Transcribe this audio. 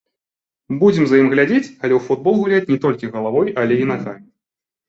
Будзем за ім глядзець, але ў футбол гуляюць не толькі галавой, але і нагамі.